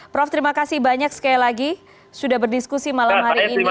prof terima kasih banyak sekali lagi sudah berdiskusi malam hari ini